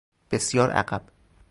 بسیار عقب